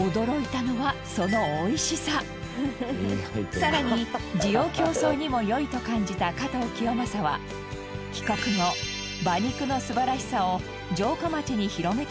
更に滋養強壮にも良いと感じた加藤清正は帰国後馬肉の素晴らしさを城下町に広めたといわれています。